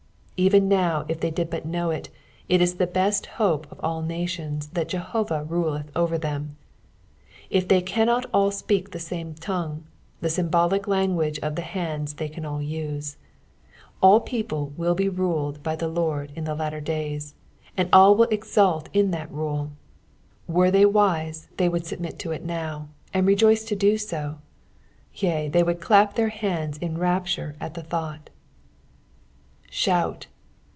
Even now if they did but know it, it is the best hope of all natioasthat Jehovah ruleth over them. If tbey caiinat all speak the same tongue, the symbolic language of the hands thej can all uae. All people will be niled by the Lord in the latter days, and all will exult in that Tule ; were they wise they would Bubmit to it now, and rejoice . to do bo ; yea, they would clap their hands in rapture at the thought "Shout."